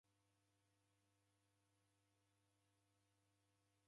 Mwatulituli wawekabwa